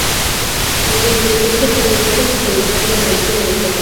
Las inflorescencias son erectas y sobresalen por encima del follaje.